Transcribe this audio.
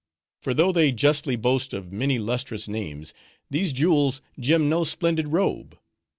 For though they justly boast of many lustrous names, these jewels gem no splendid robe.